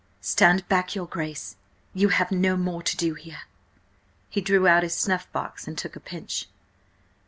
"Stand back, your Grace! You have no more to do here!" He drew out his snuff box and took a pinch.